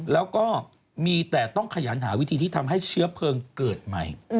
แล้วก็มีแต่ต้องขยันหาวิธีที่ทำให้เชื้อเพลิงเกิดใหม่